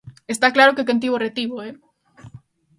Está claro que quen tivo, retivo, ¡eh!